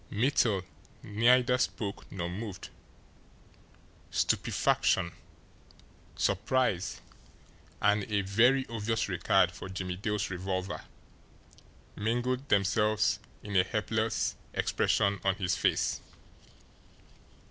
Mittel neither spoke nor moved. Stupefaction, surprise, and a very obvious regard for Jimmie Dale's revolver mingled themselves in a helpless expression on his face.